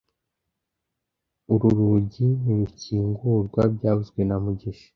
Uru rugi ntirukingurwa byavuzwe na mugisha